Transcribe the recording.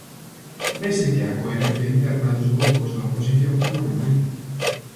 Vese que a coherencia interna dos grupos da oposición non é moita.